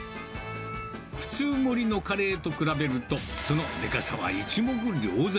普通盛りのカレーと比べると、そのでかさは一目瞭然。